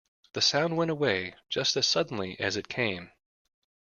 The sound went away just as suddenly as it came.